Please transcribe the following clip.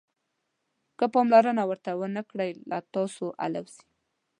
که پاملرنه ورته ونه کړئ له تاسو الوزي.